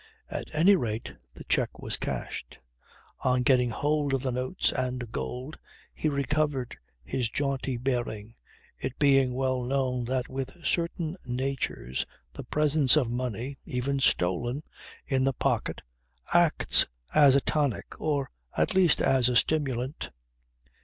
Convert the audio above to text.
At any rate the cheque was cashed. On getting hold of the notes and gold he recovered his jaunty bearing, it being well known that with certain natures the presence of money (even stolen) in the pocket, acts as a tonic, or at least as a stimulant.